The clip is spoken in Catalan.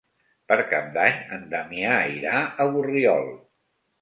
Per Cap d'Any en Damià irà a Borriol.